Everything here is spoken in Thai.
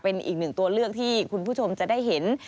เป็นอีกหนึ่งตัวเลือกที่คุณผู้ชมจะได้เห็น